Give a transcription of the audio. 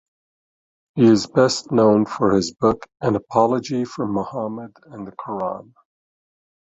He is best known for his book "An Apology for Mohammed and the Koran".